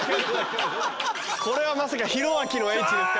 これはまさか博明のＨですか？